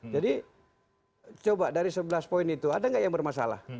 jadi coba dari sebelah poin itu ada nggak yang bermasalah